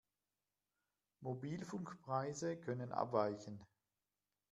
Mobilfunkpreise können abweichen.